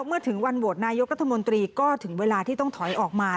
เมื่อถึงวันโหวตนายกรัฐมนตรีก็ถึงเวลาที่ต้องถอยออกมา